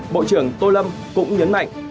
bộ trưởng tô lâm cũng nhấn mạnh